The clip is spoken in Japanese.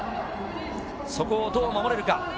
そこをどう守れるか。